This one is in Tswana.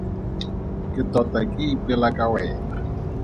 Ke tota ke ipela ka wena.